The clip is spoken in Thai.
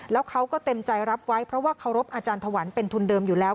แล้วเขาก็เต็มใจรับไว้เพราะว่าเคารพอาจารย์ถวันเป็นทุนเดิมอยู่แล้ว